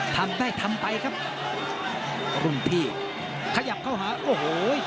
ครับขยับเข้าหาโอ้โหว้ย